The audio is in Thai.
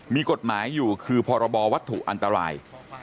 มีกฎหมายอยู่คือพรบวัตถุอันตราย